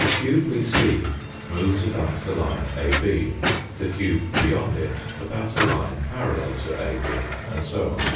cube we see moves about the line AB, the cube beyond it about a line parallel to AB and so on.